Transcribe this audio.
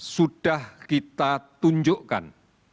sudah kita tunjukkan